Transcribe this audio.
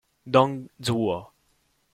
Dong Zhuo